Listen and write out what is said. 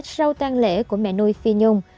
sau tăng lễ của mẹ nuôi phi nhung